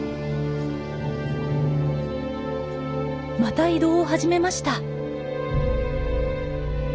また移動を始めました。